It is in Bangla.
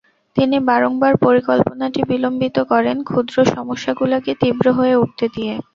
তিনি বারংবার পরিকল্পনাটি বিলম্বিত করেন, ক্ষুদ্র সমস্যাগুলোকে তীব্র হয়ে উঠতে দিয়ে।